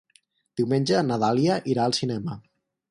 Diumenge na Dàlia irà al cinema.